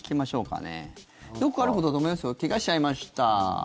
怪我しちゃいました。